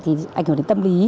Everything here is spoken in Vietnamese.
thì ảnh hưởng đến tâm lý